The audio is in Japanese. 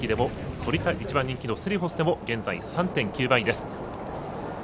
１番人気のセリフォスでも現在３．９倍です。